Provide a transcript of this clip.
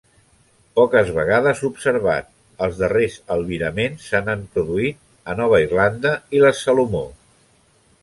Poques vegades observat, els darrers albiraments se n'han produït a Nova Irlanda i les Salomó.